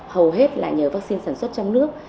hầu hết là nhờ vắc xin sản xuất trong nước